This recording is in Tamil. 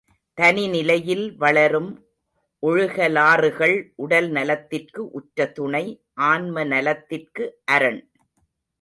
தனி நிலையில் வளரும் ஒழுகலாறுகள் உடல் நலத்திற்கு உற்ற துணை ஆன்ம நலத்திற்கு அரண்.